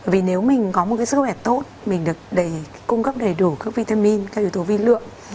vì nếu mình có một sức khỏe tốt mình được để cung cấp đầy đủ các vitamin các yếu tố vi lượng